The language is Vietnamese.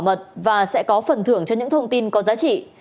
mọi thông tin sẽ được bảo mật và sẽ có phần thưởng cho những thông tin có giá trị